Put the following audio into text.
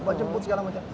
bepan jemput segala macam